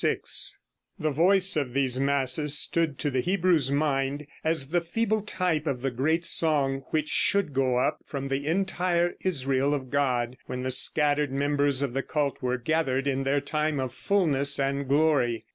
10.] The voice of these masses stood to the Hebrews' mind as the feeble type of the great song which should go up from the entire Israel of God when the scattered members of the cult were gathered in their time of fullness and glory.